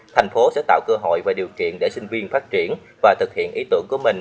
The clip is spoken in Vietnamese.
thành phố sẽ tạo cơ hội và điều kiện để sinh viên phát triển và thực hiện ý tưởng của mình